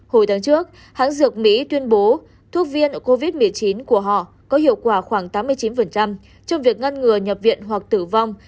hồi tháng trước hãng dược mỹ tuyên bố thuốc viêm covid một mươi chín của họ có hiệu quả khoảng tám mươi chín trong việc ngăn ngừa nhập viện hoặc tử vong